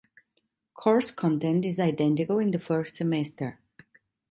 Course content is identical in the first semester.